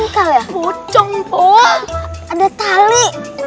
hai ampun ada tali